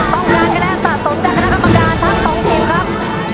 ต้องการคะแนนสะสมจากคณะกรรมการทั้ง๒ทีมครับ